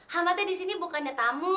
hama teh di sini bukannya tamu